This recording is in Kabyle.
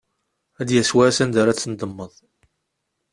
Ad d-yas wass anda ara tendemmeḍ.